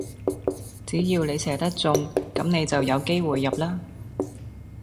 只要你射得中,咁你就有機會入啦